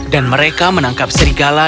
dan mereka menangkap serigala